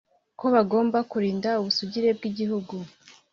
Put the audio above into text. ko bagomba kurinda ubusugire bw'igihugu.